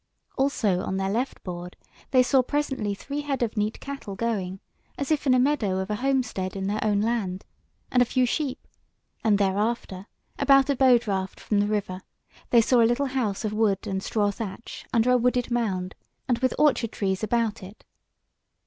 Also on their left board they saw presently three head of neat cattle going, as if in a meadow of a homestead in their own land, and a few sheep; and thereafter, about a bow draught from the river, they saw a little house of wood and straw thatch under a wooded mound, and with orchard trees about it.